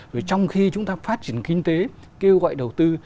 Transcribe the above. rồi trong khi chúng ta phát triển kinh tế kêu gọi đầu tư